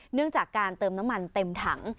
เนื่องจากการเติมน้ำมันเต็มถัง